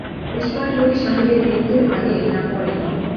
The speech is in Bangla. ওসমান গনি সাহেবের মৃত্যুর আগে, না পরে?